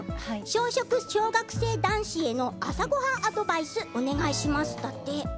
小食小学生男子への朝ごはんのアドバイスをお願いしますだって。